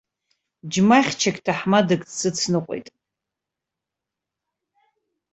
Ьмахьчак, ҭаҳмадак дсыцныҟәеит.